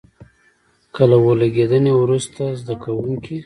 که له اور لګېدنې وروسته زده کوونکي.